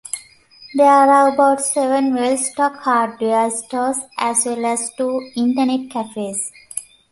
There are about seven well-stocked hardware stores, as well as two internet cafes.